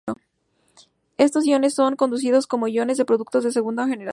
Estos iones son conocidos como iones de productos de segunda generación.